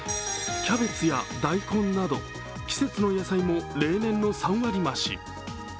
キャベツや大根など、季節の野菜も例年の３割増し。